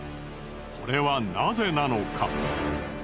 これはなぜなのか。